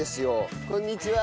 こんにちは。